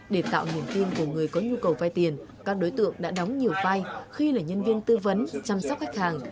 để tạo niềm tin của người có nhu cầu vay tiền các đối tượng đã đóng nhiều vai khi là nhân viên tư vấn chăm sóc khách hàng